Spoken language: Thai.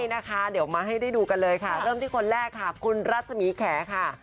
ใช่นะคะเดี๋ยวมาให้ดูกันเลยค่ะเริ่มที่คนแรกค่ะคุณรัสมีแขะค่ะ